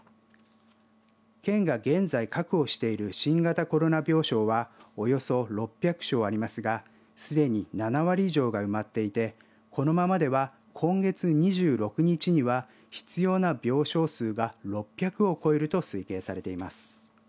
県が現在確保している新型コロナ病床はおよそ６００床ありますがすでに７割以上が埋まっていてこのままでは今月２６日には必要な病床数が６００を超えると推計されています。